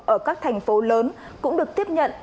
ở các thành phố lớn cũng được tiếp nhận